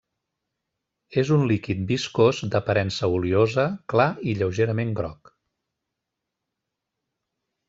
És un líquid viscós d'aparença oliosa, clar i lleugerament groc.